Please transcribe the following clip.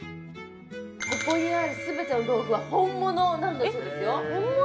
ここにあるすべての道具は本物なんだそうですよ本物？